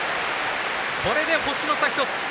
これで星の差１つ。